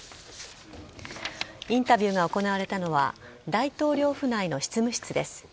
インタビューが行われたのは大統領府内の執務室です。